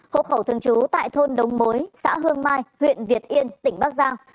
hộ khẩu thường trú tại thôn đồng mối xã hương mai huyện việt yên tỉnh bắc giang